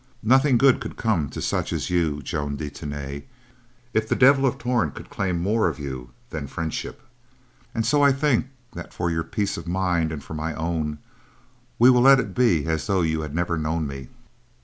"Nothing good could come to such as you, Joan, if the Devil of Torn could claim more of you than friendship; and so I think that for your peace of mind and for my own, we will let it be as though you had never known me.